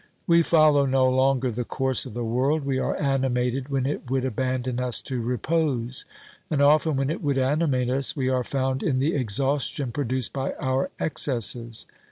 We follow no longer the course of the world, we are animated when it would abandon us to repose ; and often, when it would animate us, we are found in the exhaustion produced by our excesses.